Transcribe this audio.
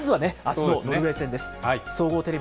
まずはね、あすのノルウェー戦です。